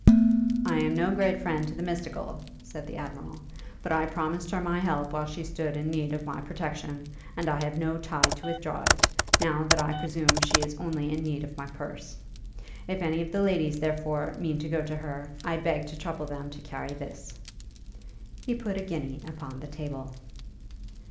'I am no great friend to the mystical,' said the Admiral, 'but I promised her my help while she stood in need of my protection, and I have no tide to withdraw it, now that I presume she is only in need of my purse. If any of the ladies, therefore, mean to go to her, I beg to trouble them to carry this.' He put a guinea upon the table.